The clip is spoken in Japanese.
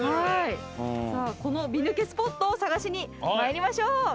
さあこの美抜けスポットを探しに参りましょう。